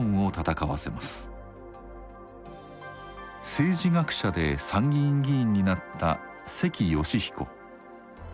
政治学者で参議院議員になった関嘉彦。